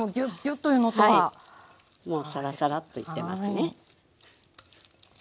もうサラサラッといってますね。